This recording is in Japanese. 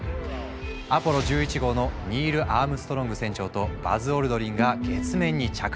アポロ１１号のニール・アームストロング船長とバズ・オルドリンが月面に着陸。